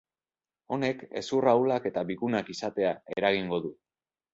Honek, hezur ahulak eta bigunak izatea eragingo du.